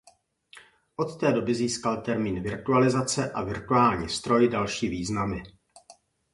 Od té doby získal termín "virtualizace" a "virtuální stroj" další významy.